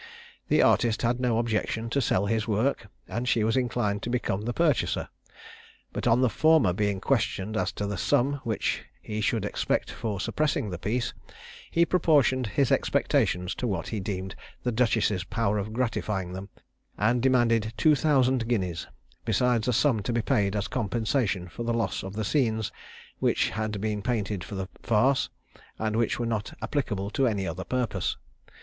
The artist had no objection to sell his work, and she was inclined to become the purchaser; but on the former being questioned as to the sum which he should expect for suppressing the piece, he proportioned his expectations to what he deemed the duchess's power of gratifying them, and demanded two thousand guineas, besides a sum to be paid as compensation for the loss of the scenes, which had been painted for the farce, and which were not applicable to any other purpose.